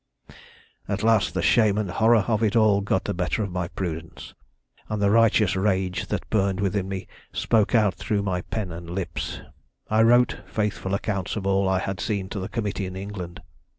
"At last the shame and horror of it all got the better of my prudence, and the righteous rage that burned within me spoke out through my pen and my lips. "I wrote faithful accounts of all I had seen to the committee in England.